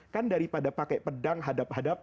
kan daripada pakai pedang hadap hadap